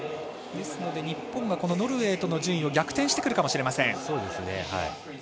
日本はノルウェーとの順位を逆転してくるかもしれません。